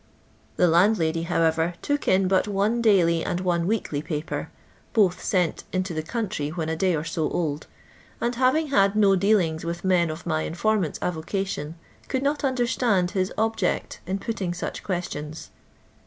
Ttie landlady however took in but one daily and one weekly paper (both sent into the country when a day or so old), and hating had no dealings with men of my inform ant's arocation, could not understand his object in patting such questions.